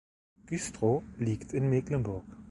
Güstrow liegt in Mecklenburg.